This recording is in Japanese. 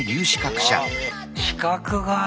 資格があるのか。